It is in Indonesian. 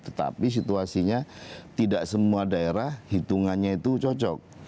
tetapi situasinya tidak semua daerah hitungannya itu cocok